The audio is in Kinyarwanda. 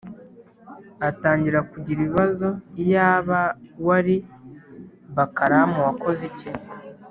Atangira kugira ibibazo iyaba wari bakaram wakoze iki ?